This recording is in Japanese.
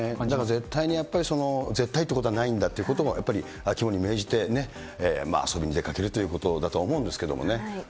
絶対にやっぱり、絶対ということはないんだということを、やっぱり肝に銘じてね、遊びに出かけるということだと思うんですけどね。